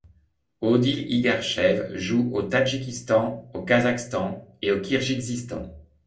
Odil Irgashev joue au Tadjikistan, au Kazakhstan, et au Kirghizistan.